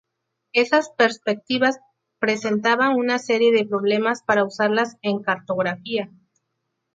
Esas perspectivas presentaban una serie de problemas para usarlas en cartografía.